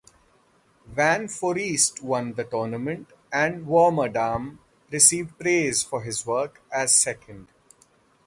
Van Foreest won the tournament and Warmerdam received praise for his work as second.